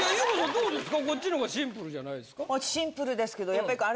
そうですか。